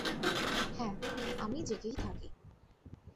হ্যাঁ, আমি জেগেই থাকি।